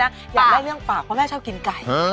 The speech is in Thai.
อยากได้เรื่องฝากเพราะแม่ชอบกินไก่